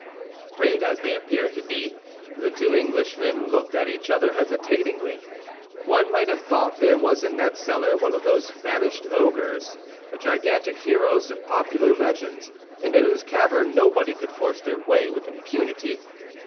Brave as they appeared to be, the two English gentlemen looked at each other hesitatingly. One might have thought there was in that cellar one of those famished ogres—the gigantic heroes of popular legends, into whose cavern nobody could force their way with impunity.